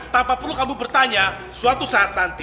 tanpa perlu kamu bertanya suatu saat nanti